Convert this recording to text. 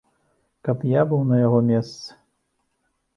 Каб я быў на яго месцы!